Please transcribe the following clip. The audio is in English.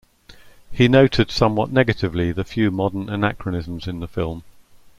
He noted somewhat negatively the few modern anachronisms in the film.